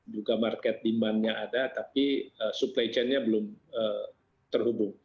juga market demand nya ada tapi supply chain nya belum terhubung